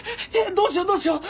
どうしようどうしよう。